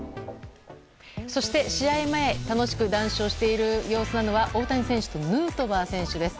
そして、試合前楽しく談笑している様子なのは大谷選手とヌートバー選手です。